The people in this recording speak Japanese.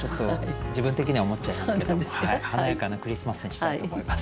自分的には思っちゃいますけど華やかなクリスマスにしたいと思います。